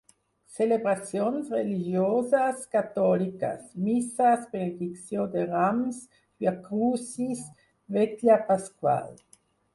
Celebracions religioses catòliques: misses, benedicció de rams, viacrucis, vetlla pasqual.